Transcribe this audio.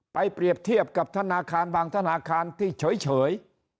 เปรียบเทียบกับธนาคารบางธนาคารที่เฉย